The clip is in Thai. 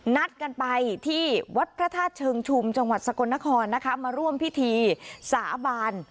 นัดกันไปที่วัดพระธาตุเชิงชุมจังหวัดสกลนครนะคะมาร่วมพิธีสาบาน